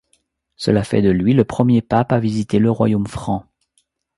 Cela fait de lui le premier pape à visiter le royaume franc.